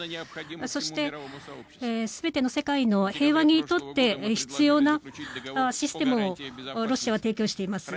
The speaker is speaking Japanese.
そして全ての世界の平和にとって必要なシステムをロシアは提供しています。